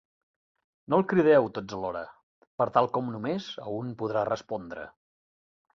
No el crideu tots alhora, per tal com només a un podrà respondre.